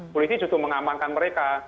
polisi justru mengamankan mereka